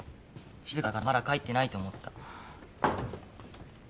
静かだからまだ帰ってないと思った。